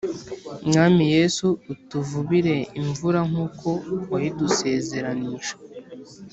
Mwami yesu utuvubire imvura nkuko wayidusezeranyije